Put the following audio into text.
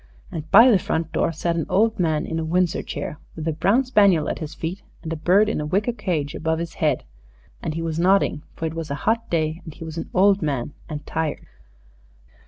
And by the front door sat an old man in a Windsor chair, with a brown spaniel at his feet and a bird in a wicker cage above his head, and he was nodding, for it was a hot day, and he was an old man and tired.